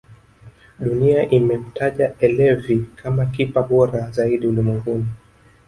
dunia inamtaja elevi kama kipa bora zaidi ulimwenguni